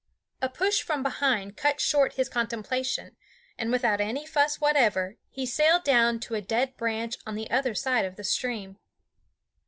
A push from behind cut short his contemplation, and without any fuss whatever he sailed down to a dead branch on the other side of the stream.